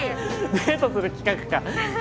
デートする企画か。